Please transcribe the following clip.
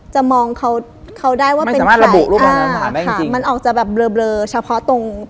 จะมองเขาเขาได้ว่าเป็นแผลค่ะมันออกจะแบบเบลอเฉพาะตรง